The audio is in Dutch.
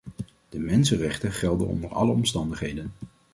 De mensenrechten gelden onder alle omstandigheden.